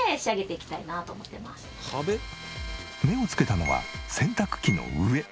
目をつけたのは洗濯機の上。